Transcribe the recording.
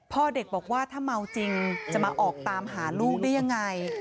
พ่อเด็กบอกว่าถ้าเมาจริงจะมาออกตามหาลูกได้ยังไง